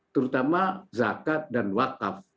terutama zakat dan wakaf